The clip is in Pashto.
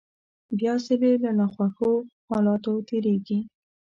بيا ځلې له ناخوښو حالاتو تېرېږي.